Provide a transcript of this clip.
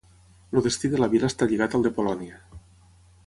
El destí de la vila està lligat al de Polònia.